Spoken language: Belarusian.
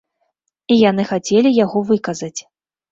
І яны хацелі яго выказаць.